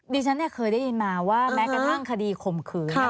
ดิฉันเคยได้ยินมาว่าแม้กระทั่งคดีข่มขืน